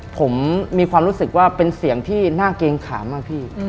ผมมีความรู้สึกว่าเป็นเสียงที่น่าเกรงขามมากพี่